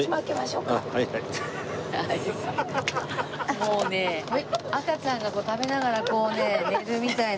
もうね赤ちゃんが食べながらこうね寝るみたいなね